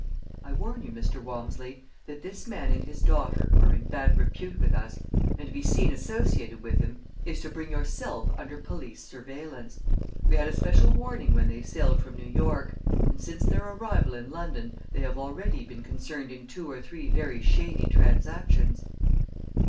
"I warn you, Mr. Walmsley, that this man and his daughter are in bad repute with us, and to be seen associated with them is to bring yourself under police surveillance. We had a special warning when they sailed from New York, and since their arrival in London they have already been concerned in two or three very shady transactions."